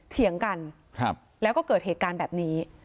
เถียงกันแล้วก็เกิดเหตุการณ์แบบนี้